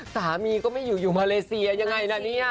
สามีก็ไม่อยู่อยู่มาเลเซียยังไงล่ะเนี่ย